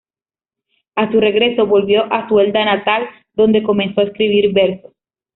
A su regreso, volvió a su Elda natal, donde comenzó a escribir versos.